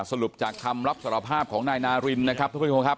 สรุปจากคำรับสารภาพของนายนารินนะครับทุกผู้ชมครับ